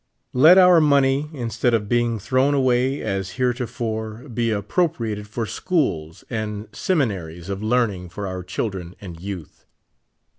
Let our money, instead of being thrown away as heretofore, be appropriated for schools and sem inaries of learning for our children and youth.